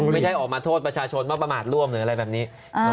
ไม่ใช่ออกมาโทษประชาชนว่าประมาทร่วมหรืออะไรแบบนี้